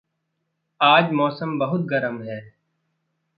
आज मौसम बहुत गरम है।